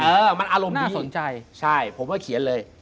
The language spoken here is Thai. เออมันอารมณ์ที่สนใจใช่ผมว่าเขียนเลย